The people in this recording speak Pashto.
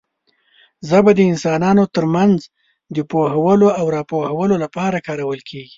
ژبه د انسانانو ترمنځ د پوهولو او راپوهولو لپاره کارول کېږي.